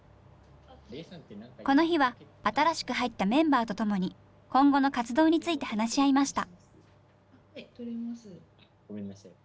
この日は新しく入ったメンバーと共に今後の活動について話し合いました。